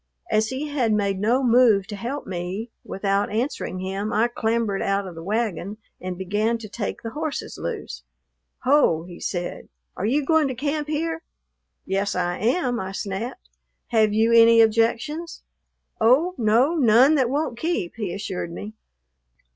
As he had made no move to help me, without answering him I clambered out of the wagon and began to take the horses loose. "Ho!" he said; "are you goin' to camp here?" "Yes, I am," I snapped. "Have you any objections?" "Oh, no, none that won't keep," he assured me.